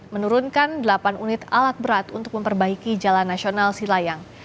menurunkan delapan unit alat berat untuk memperbaiki jalan nasional silayang